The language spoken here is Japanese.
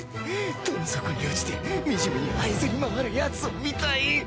どん底に落ちて惨めにはいずり回るヤツを見たい！